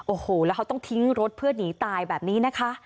โอ้โหแล้วเขาต้องทิ้งรถเพื่อหนีตายแบบนี้นะคะ